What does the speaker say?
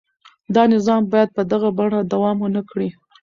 دا نظام باید په دغه بڼه دوام ونه کړي.